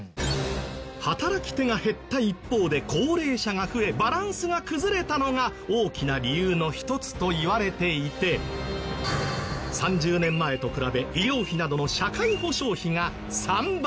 働き手が減った一方で高齢者が増えバランスが崩れたのが大きな理由の一つといわれていて３０年前と比べ医療費などの社会保障費が３倍に。